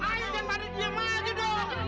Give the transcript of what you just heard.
ayo jangan parah diam aja dong